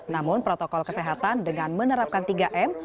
namun protokol kesehatan dengan menerapkan tiga m